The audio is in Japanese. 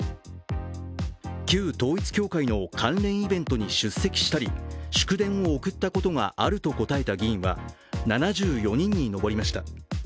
旧統一教会の関連イベントに出席したり祝電を送ったことがあると答えた議員は７４人に上りました。